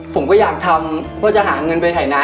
ผมก็อยากทำว่าจะหาเงินไปไถ่น้าย